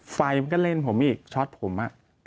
ไฟมันก็เล่นผมอีกช็อตผม